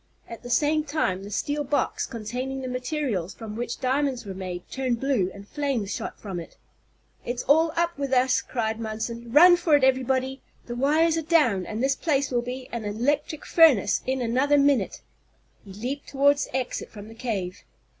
At the same time the steel box, containing the materials from which diamonds were made, turned blue, and flames shot from it. "It's all up with us!" cried Munson. "Run for it, everybody! The wires are down, and this place will be an electric furnace in another minute!" He leaped toward the exit from the cave.